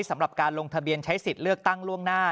สำหรับการลงทะเบียนใช้สิทธิ์เลือกตั้งล่วงหน้า